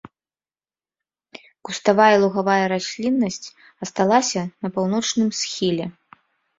Куставая і лугавая расліннасць асталася на паўночным схіле.